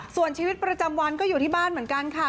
ส่วนชีวิตประจำวันก็อยู่ที่บ้านเหมือนกันค่ะ